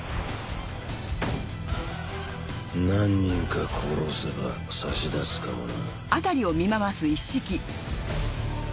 何人か殺せば差し出すかもな。